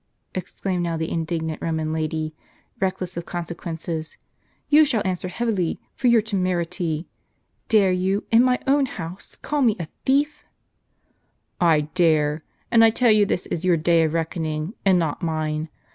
" exclaimed now the indig nant Roman lady, reckless of consequences, "you shall answer heavily for your temerity. Dare you, in my own house, call me a thief? "" I dare ; and I tell you this is your day of reckoning, and not mine.